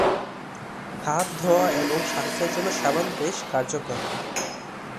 হাত ধোঁয়া এবং স্বাস্থ্যের জন্য সাবান বেশ কার্যকর।